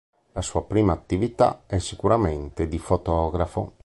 La sua prima attività è sicuramente di fotografo.